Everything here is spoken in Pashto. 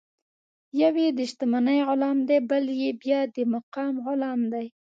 یو یې د شتمنۍ غلام دی، بل بیا د مقام غلام دی.